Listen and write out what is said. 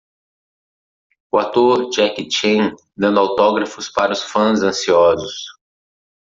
o ator Jackie Chan dando autógrafos para os fãs ansiosos.